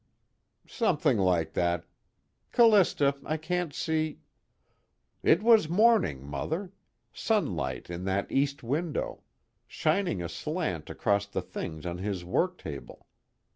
"Something like that. Callista, I can't see " "It was morning, Mother. Sunlight in that east window. Shining aslant across the things on his work table.